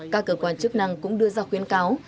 các cơ quan chức năng cũng đưa ra khuyến cáo